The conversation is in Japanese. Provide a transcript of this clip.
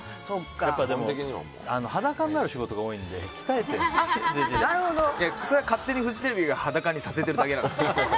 裸になる仕事が多いのでそれは勝手にフジテレビが裸にさせてるだけなんです。